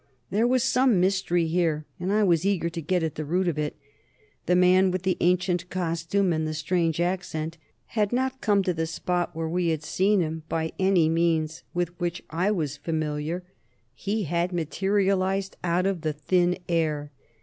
There was some mystery here, and I was eager to get at the root of it. The man with the ancient costume and the strange accent had not come to the spot where we had seen him by any means with which I was familiar; he had materialized out of the thin air.